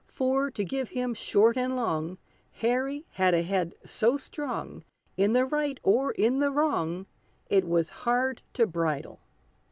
For, to give him short and long, Harry had a head so strong, In the right or in the wrong, It was hard to bridle.